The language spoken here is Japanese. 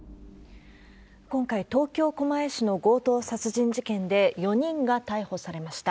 今回、東京・狛江市の強盗殺人事件で、４人が逮捕されました。